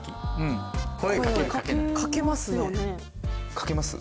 かけますね。